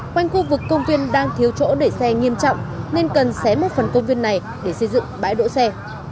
quanh khu vực công viên đang thiếu chỗ để xe nghiêm trọng nên cần xé mốt phần công viên này để xây dựng bãi đỗ xe